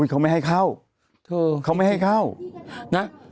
เขาไม่ให้เข้าเขาไม่ให้เข้านะ